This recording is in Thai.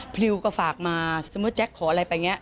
พริวก็ฝากมาสมมุติแจ๊คขออะไรไปอย่างนี้